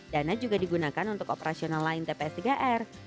dana juga digunakan untuk operasional lain tps tiga r